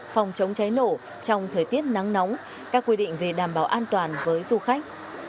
phòng chống cháy nổ trong thời tiết nắng nóng các quy định về đảm bảo an toàn với du khách